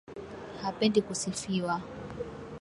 Hapendi kusifiwa\